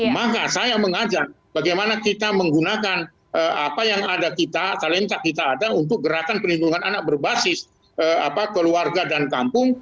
maka saya mengajak bagaimana kita menggunakan apa yang ada kita talenta kita ada untuk gerakan perlindungan anak berbasis keluarga dan kampung